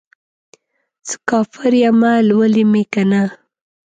څه کافر یمه ، لولی مې کنه